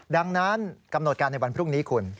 ดังนั้นกำหนดการในวันพรุ่งนี้คุณ